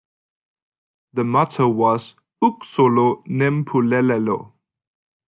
The motto was "uXolo neMpulelelo".